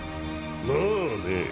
まあねぇ。